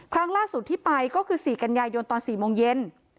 ครั้งล่าสุดที่ไปก็คือ๔กันยายนตอน๔โมงเย็น